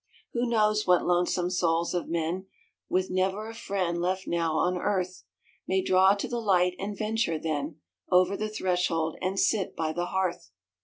ALL SOULS' NIGHT iii Who knows what lonesome souls of men, With never a friend left now on earth, May draw to the light and venture then Over the threshold and sit by the hearth